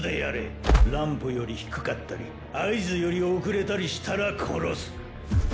ランプより低かったり合図より遅れたりしたら殺すッ！